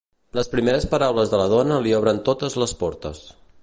Les primeres paraules de la dona li obren totes les portes.